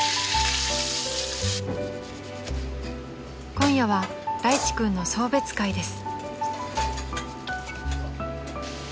［今夜はらいち君の送別会です］